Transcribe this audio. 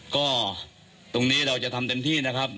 ก็ตรงนี้เราจะทำเต็มที่นะครับ